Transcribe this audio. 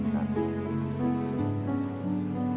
ครับ